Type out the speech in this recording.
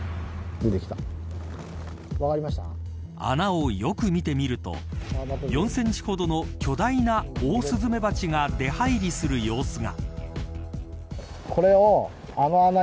穴をよく見てみると４センチ程の巨大なオオスズメバチが出入りする様子が。